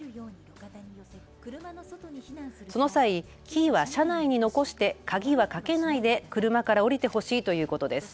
その際、キーは車内に残して鍵はかけないで車から降りてほしいということです。